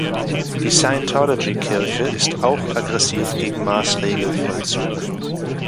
Die Scientology-Kirche ist auch aggressiv gegen Maßregelvollzug.